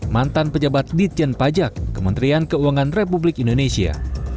mantan pejabat ditjen pajak kementerian keuangan republik indonesia